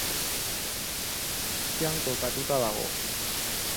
De Soto parrokian kokatua dago.